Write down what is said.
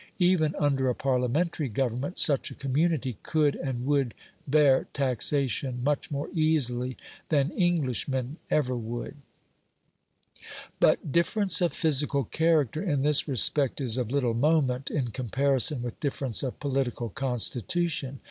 Even under a Parliamentary government such a community could and would bear taxation much more easily than Englishmen ever would. But difference of physical character in this respect is of little moment in comparison with difference of political constitution.